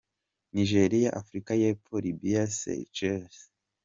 Nigeria, Afurika y’Epfo, Libya, Seychelles